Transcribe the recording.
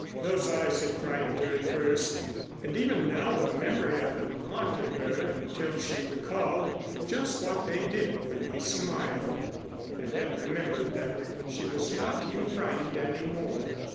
Those eyes had frightened her at first; and even now the memory of them haunted her until she recalled just what they did when he smiled, and then remembered that she was not to be frightened any more.